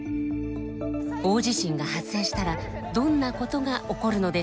大地震が発生したらどんなことが起こるのでしょうか。